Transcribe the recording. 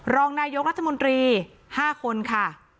รองนายกรัฐมนตรี๕คนค่ะ